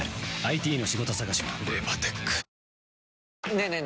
ねえねえ